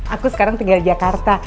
aku sekarang tinggal di jakarta